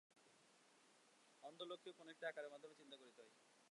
অন্ধলোককেও কোন একটি আকারের মাধ্যমে চিন্তা করিতে হয়।